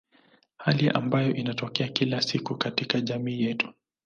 Hali ambayo inatokea kila siku katika jamii yetu.